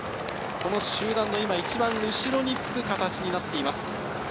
この集団の一番後ろにつく形になっています。